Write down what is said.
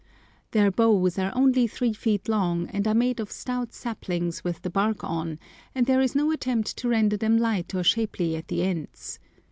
Their bows are only three feet long, and are made of stout saplings with the bark on, and there is no attempt to render them light or shapely at the ends.